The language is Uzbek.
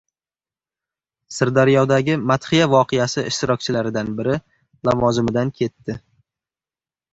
Sirdaryodagi «madhiya voqeasi» ishtirokchilaridan biri lavozimidan ketdi